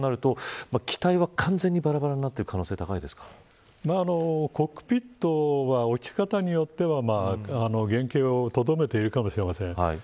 そうなると機体は完全にばらばらになっていた可能性がコックピットは落ち方によっては原型をとどめているかもしれません。